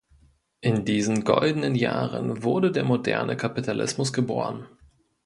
In diesen goldenen Jahren wurde der moderne Kapitalismus geboren“.